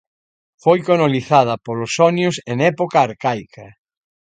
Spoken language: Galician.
Foi colonizada polos xonios en época arcaica.